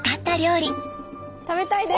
食べたいです！